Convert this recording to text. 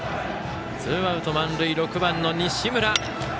ツーアウト、満塁６番の西村。